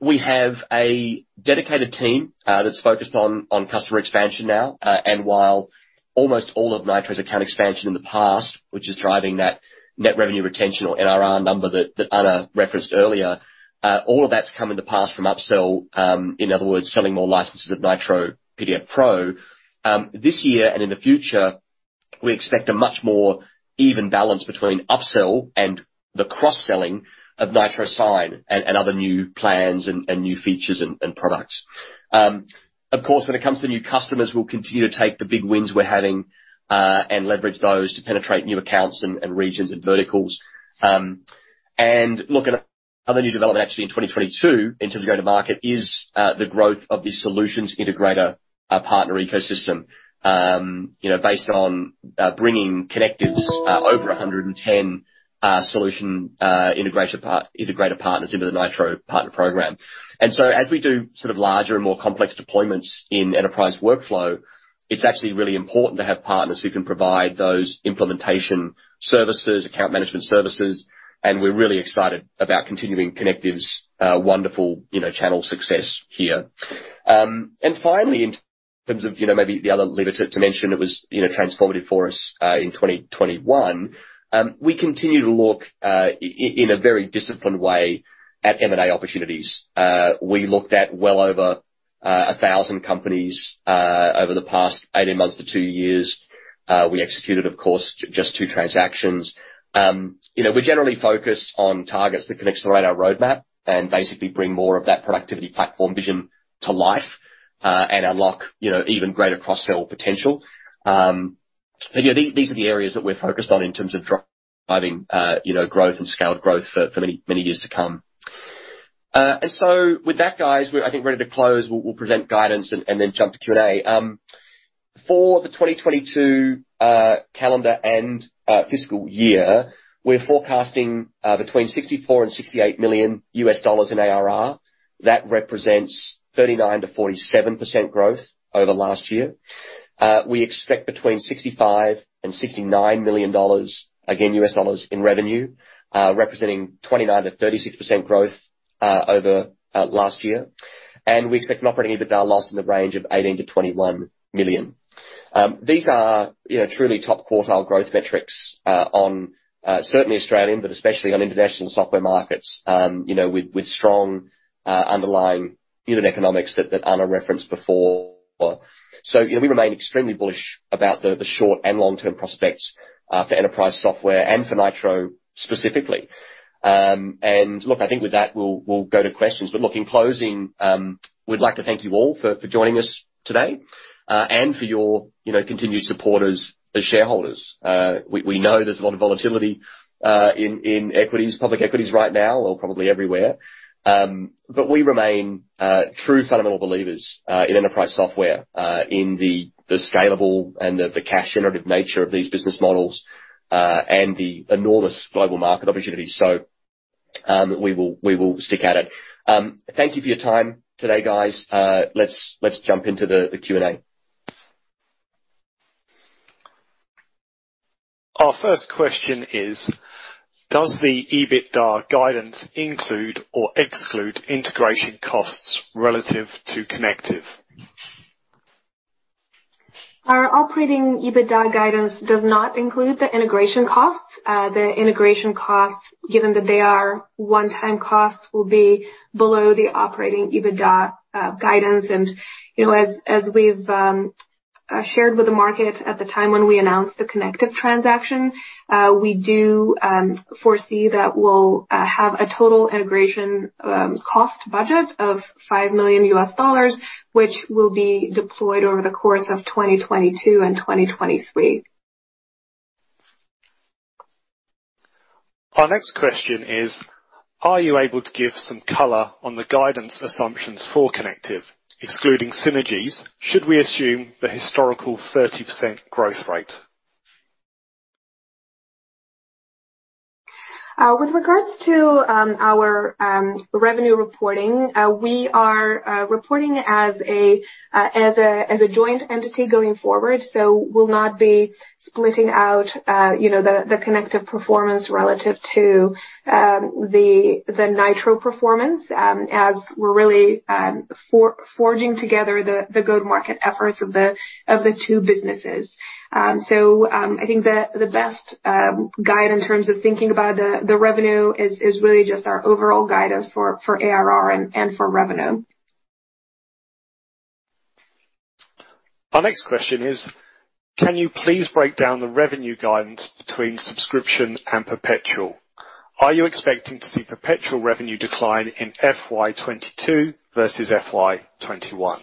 We have a dedicated team that's focused on customer expansion now. While almost all of Nitro's account expansion in the past, which is driving that net revenue retention or NRR number that Ana referenced earlier, all of that's come in the past from upsell, in other words, selling more licenses of Nitro PDF Pro. This year and in the future, we expect a much more even balance between upsell and the cross-selling of Nitro Sign and other new plans and new features and products. Of course, when it comes to new customers, we'll continue to take the big wins we're having and leverage those to penetrate new accounts and regions and verticals. Look at other new development actually in 2022 into the go-to-market is the growth of the solutions integrator partner ecosystem. You know, based on bringing Connective's over 110 solution integrator partners into the Nitro Partner Program. As we do sort of larger and more complex deployments in enterprise workflow, it's actually really important to have partners who can provide those implementation services, account management services, and we're really excited about continuing Connective's wonderful, you know, channel success here. Finally, in terms of, you know, maybe the other lever to mention that was, you know, transformative for us in 2021, we continue to look in a very disciplined way at M&A opportunities. We looked at well over 1,000 companies over the past 18 months to two years. We executed, of course, just two transactions. You know, we're generally focused on targets that can accelerate our roadmap and basically bring more of that productivity platform vision to life and unlock, you know, even greater cross-sell potential. Yeah, these are the areas that we're focused on in terms of driving, you know, growth and scaled growth for many years to come. With that, guys, we're, I think, ready to close. We'll present guidance and then jump to Q&A. For the 2022 calendar and fiscal year, we're forecasting between $64 million and $68 million in ARR. That represents 39%-47% growth over last year. We expect between $65 million and $69 million in revenue, representing 29%-36% growth over last year. We expect an operating EBITDA loss in the range of $18 million-$21 million. These are, you know, truly top quartile growth metrics on certainly Australian, but especially on international software markets, you know, with strong underlying unit economics that Ana referenced before. You know, we remain extremely bullish about the short and long-term prospects for enterprise software and for Nitro specifically. Look, I think with that, we'll go to questions. Look, in closing, we'd like to thank you all for joining us today and for your, you know, continued support as shareholders. We know there's a lot of volatility in equities, public equities right now or probably everywhere. We remain true fundamental believers in enterprise software in the scalable and the cash generative nature of these business models and the enormous global market opportunities. We will stick at it. Thank you for your time today, guys. Let's jump into the Q&A. Our first question is, does the EBITDA guidance include or exclude integration costs relative to Connective? Our operating EBITDA guidance does not include the integration costs. The integration costs, given that they are one-time costs, will be below the operating EBITDA guidance. You know, as we've shared with the market at the time when we announced the Connective transaction, we do foresee that we'll have a total integration cost budget of $5 million, which will be deployed over the course of 2022 and 2023. Our next question is, are you able to give some color on the guidance assumptions for Connective? Excluding synergies, should we assume the historical 30% growth rate? With regards to our revenue reporting, we are reporting as a joint entity going forward. We'll not be splitting out, you know, the Connective performance relative to the Nitro performance, as we're really forging together the go-to-market efforts of the two businesses. I think the best guide in terms of thinking about the revenue is really just our overall guidance for ARR and for revenue. Our next question is, can you please break down the revenue guidance between subscription and perpetual? Are you expecting to see perpetual revenue decline in FY 2022 versus FY 2021?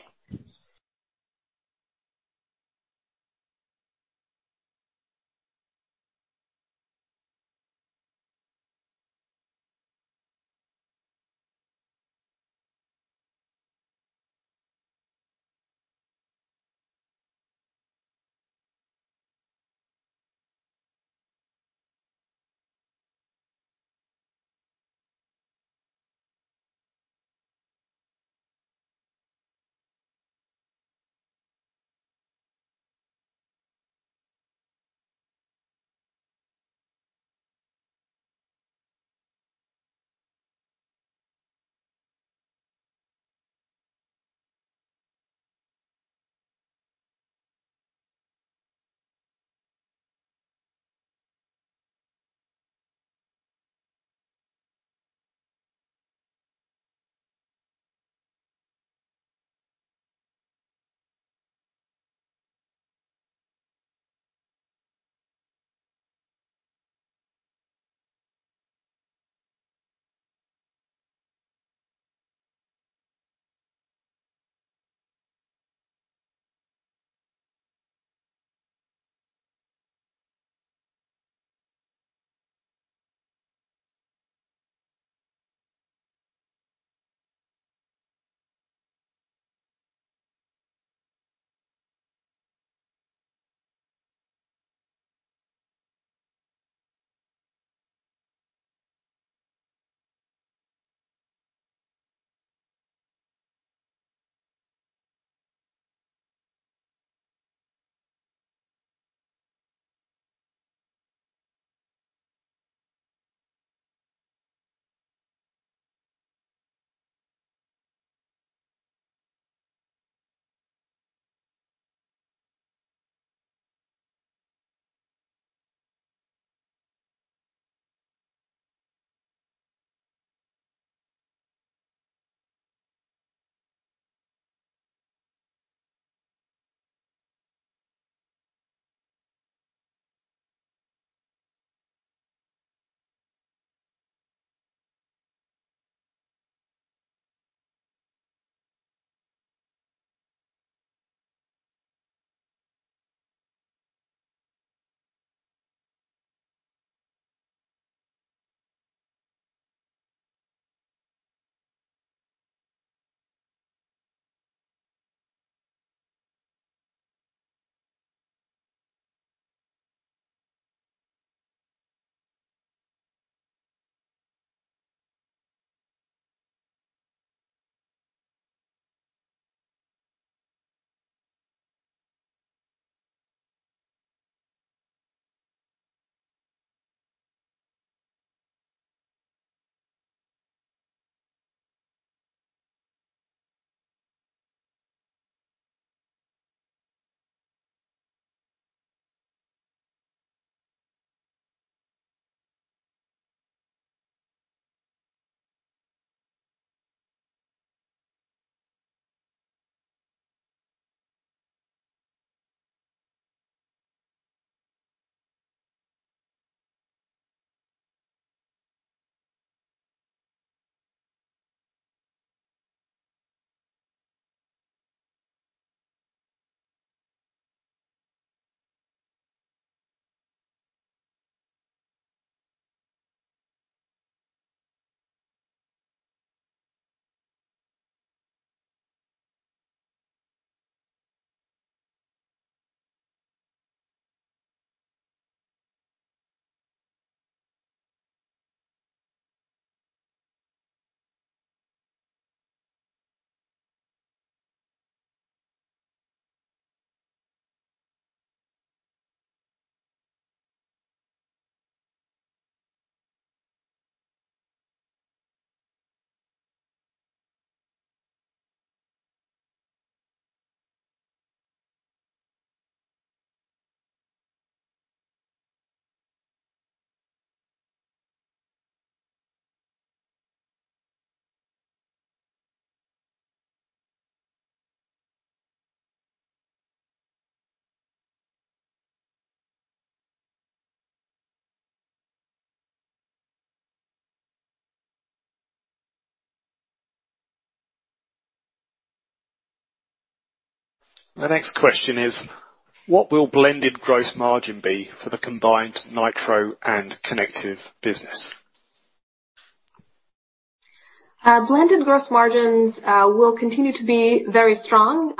The next question is, what will blended gross margin be for the combined Nitro and Connective business? Blended gross margins will continue to be very strong,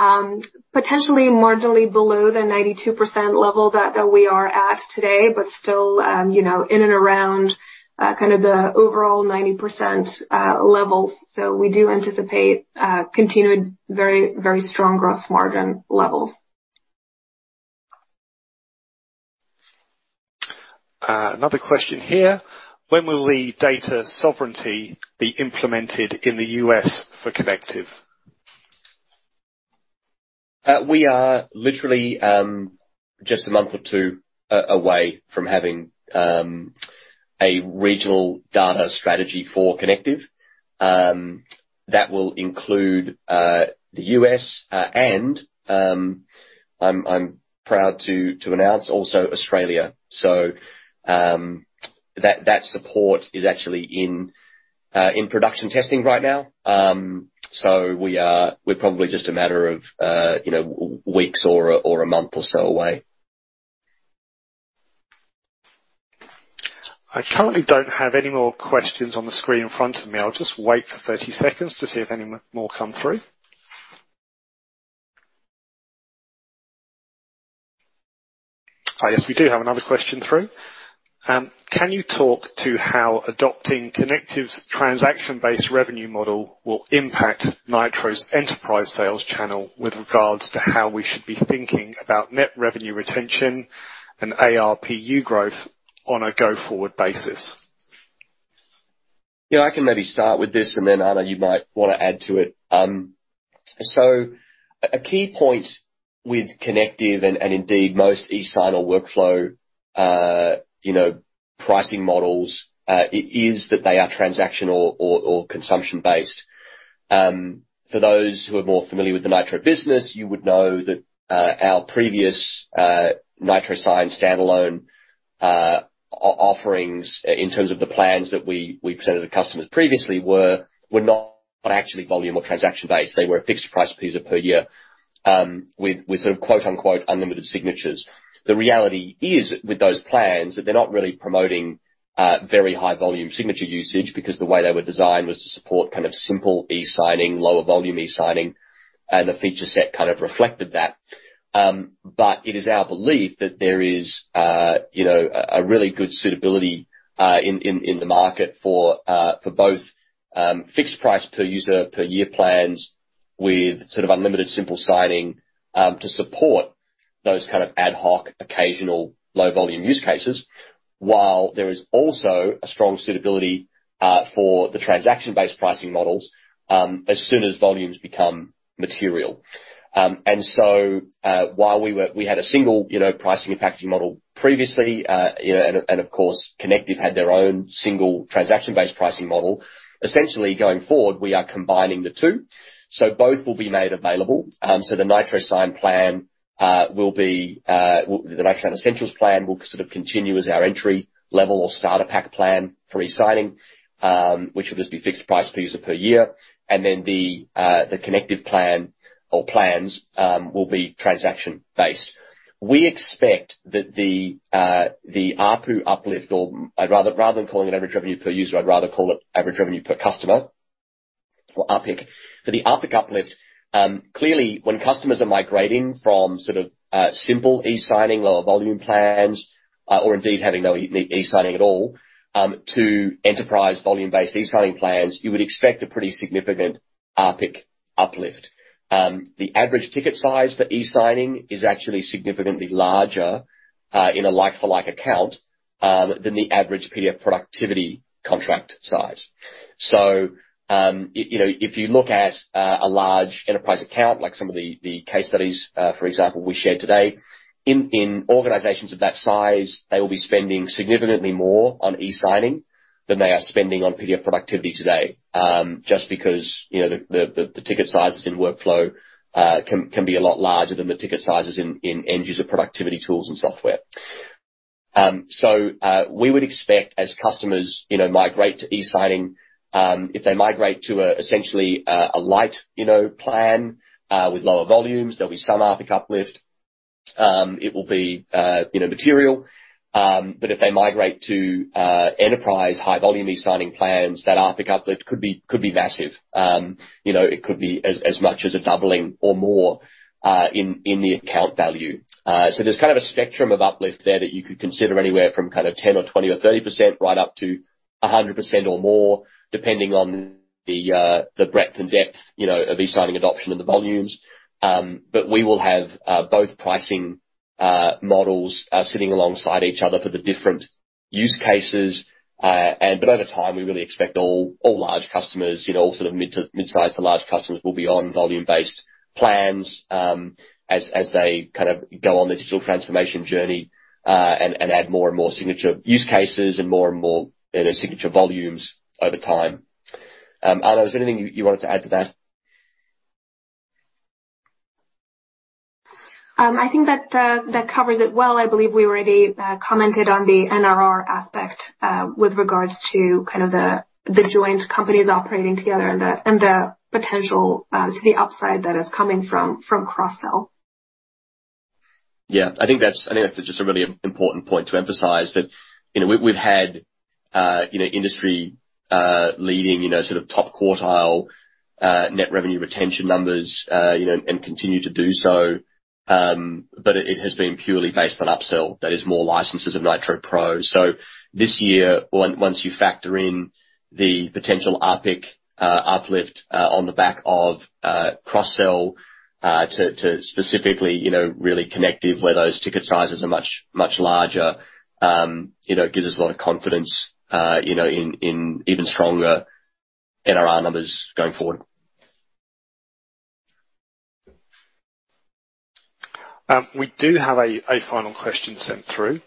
potentially marginally below the 92% level that we are at today, but still, you know, in and around kind of the overall 90% level. So we do anticipate continued very, very strong gross margin levels. Another question here. When will the data sovereignty be implemented in the U.S. for Connective? We are literally just a month or two away from having a regional data strategy for Connective. That will include the U.S. and I'm proud to announce also Australia. That support is actually in production testing right now. We are probably just a matter of you know weeks or a month or so away. I currently don't have any more questions on the screen in front of me. I'll just wait for 30 seconds to see if any more come through. Yes, we do have another question through. Can you talk to how adopting Connective's transaction-based revenue model will impact Nitro's enterprise sales channel with regards to how we should be thinking about net revenue retention and ARPU growth on a go-forward basis? Yeah, I can maybe start with this, and then, Ana, you might wanna add to it. A key point with Connective and indeed most e-sign or workflow, you know, pricing models, is that they are transactional or consumption based. For those who are more familiar with the Nitro business, you would know that our previous Nitro Sign standalone offerings in terms of the plans that we presented to customers previously were not actually volume or transaction based. They were a fixed price per user per year, with sort of, quote-unquote, "unlimited signatures". The reality is with those plans, that they're not really promoting very high volume signature usage, because the way they were designed was to support kind of simple e-signing, lower volume e-signing, and the feature set kind of reflected that. It is our belief that there is, you know, a really good suitability in the market for both fixed price per user per year plans with sort of unlimited simple signing to support those kind of ad hoc, occasional low volume use cases. While there is also a strong suitability for the transaction-based pricing models as soon as volumes become material. We had a single, you know, pricing and packaging model previously, you know, and of course, Connective had their own single transaction-based pricing model. Essentially, going forward, we are combining the two. Both will be made available. The Nitro Sign Essentials plan will sort of continue as our entry level or starter pack plan for e-signing, which will just be fixed price per user per year. The Connective plan or plans will be transaction based. We expect that the ARPU uplift or I'd rather than calling it average revenue per user, I'd rather call it average revenue per customer or ARPC. The ARPC uplift, clearly, when customers are migrating from sort of simple e-signing, lower volume plans, or indeed having no e-signing at all, to enterprise volume-based e-signing plans, you would expect a pretty significant ARPC uplift. The average ticket size for e-signing is actually significantly larger in a like for like account than the average PDF Productivity contract size. You know, if you look at a large enterprise account, like some of the case studies, for example, we shared today. In organizations of that size, they will be spending significantly more on e-signing than they are spending on PDF Productivity today, just because, you know, the ticket sizes in workflow can be a lot larger than the ticket sizes in end user productivity tools and software. We would expect, as customers, you know, migrate to e-signing, if they migrate to essentially a light, you know, plan with lower volumes, there'll be some ARPC uplift. It will be, you know, material. If they migrate to enterprise high volume e-signing plans, that ARPC uplift could be massive. You know, it could be as much as a doubling or more in the account value. There's kind of a spectrum of uplift there that you could consider anywhere from kind of 10 or 20 or 30%, right up to 100% or more, depending on the breadth and depth, you know, of e-signing adoption and the volumes. We will have both pricing models sitting alongside each other for the different use cases. Over time, we really expect all large customers, you know, all sort of mid-size to large customers will be on volume-based plans, as they kind of go on their digital transformation journey, and add more and more signature use cases and more and more, you know, signature volumes over time. Ana, is there anything you wanted to add to that? I think that covers it well. I believe we already commented on the NRR aspect with regards to kind of the joint companies operating together and the potential to the upside that is coming from cross-sell. Yeah, I think that's just a really important point to emphasize that, you know, we've had, you know, industry leading, you know, sort of top quartile net revenue retention numbers, you know, and continue to do so. It has been purely based on upsell, that is more licenses of Nitro Pro. This year, once you factor in the potential ARPC uplift, on the back of cross-sell to specifically, you know, really Connective where those ticket sizes are much, much larger, you know, it gives us a lot of confidence, you know, in even stronger NRR numbers going forward. We do have a final question sent through,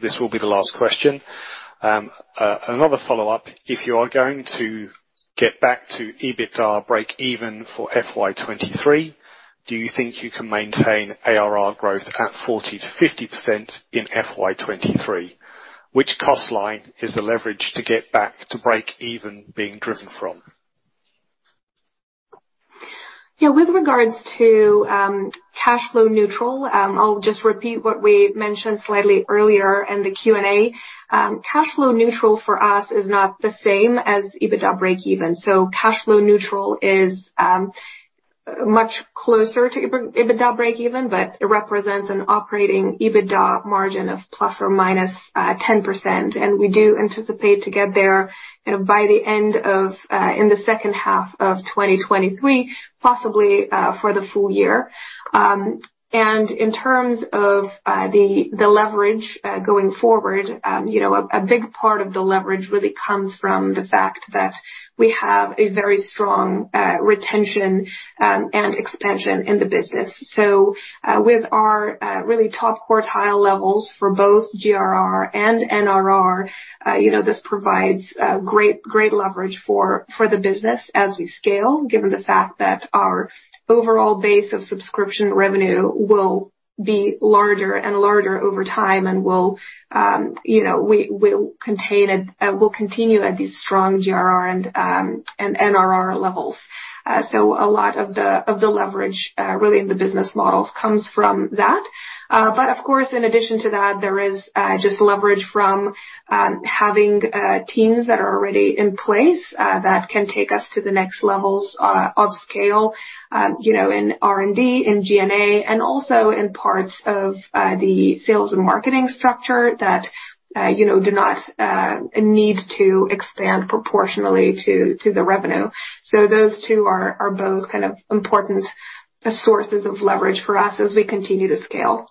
this will be the last question. Another follow-up, if you are going to get back to EBITDA break even for FY 2023, do you think you can maintain ARR growth at 40%-50% in FY 2023? Which cost line is the leverage to get back to break even being driven from? Yeah. With regards to cash flow neutral, I'll just repeat what we mentioned slightly earlier in the Q&A. Cash flow neutral for us is not the same as EBITDA break even. Cash flow neutral is much closer to EBITDA break even, but it represents an operating EBITDA margin of ±10%. We do anticipate to get there, you know, by the end of in the second half of 2023, possibly for the full year. In terms of the leverage going forward, you know, a big part of the leverage really comes from the fact that we have a very strong retention and expansion in the business. With our really top quartile levels for both GRR and NRR, you know, this provides great leverage for the business as we scale, given the fact that our overall base of subscription revenue will be larger and larger over time and will, you know, we'll maintain it, we'll continue at these strong GRR and NRR levels. A lot of the leverage really in the business models comes from that. Of course, in addition to that, there is just leverage from having teams that are already in place that can take us to the next levels of scale, you know, in R&D, in G&A, and also in parts of the sales and marketing structure that you know do not need to expand proportionally to the revenue. Those two are both kind of important sources of leverage for us as we continue to scale.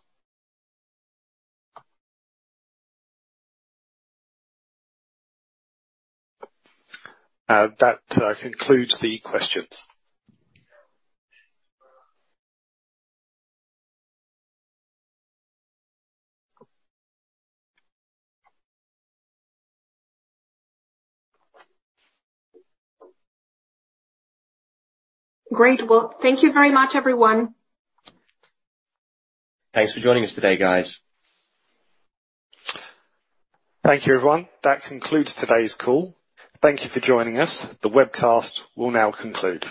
That concludes the questions. Great. Well, thank you very much, everyone. Thanks for joining us today, guys. Thank you, everyone. That concludes today's call. Thank you for joining us. The webcast will now conclude.